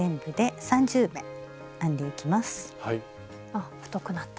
あっ太くなった。